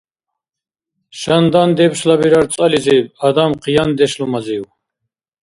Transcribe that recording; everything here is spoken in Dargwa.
Шандан дебшлабирар цӀализиб, адам — къияндешлумазив.